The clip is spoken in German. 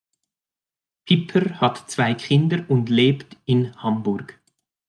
Piper hat zwei Kinder und lebt in Hamburg.